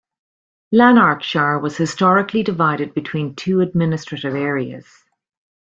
Lanarkshire was historically divided between two administrative areas.